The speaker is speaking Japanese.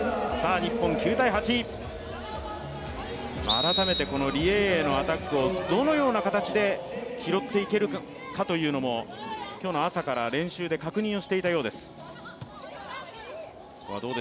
日本、９−８、改めてリ・エイエイのアタックをどのような形で拾っていけるかというのも今日も朝から練習で確認をしていたようです。